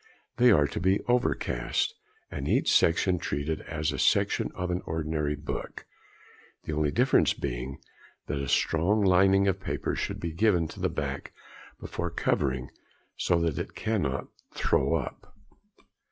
They are to be overcast, and each section treated as a section of an ordinary book, the only difference being, that a strong lining of paper should be given to the back before covering, so that it cannot "throw up."